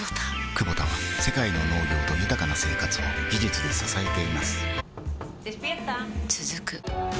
クボタは世界の農業と豊かな生活を技術で支えています起きて。